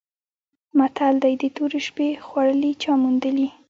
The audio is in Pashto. متل دی: د تورې شپې خوړلي چا موندلي؟